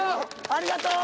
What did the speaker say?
ありがとう！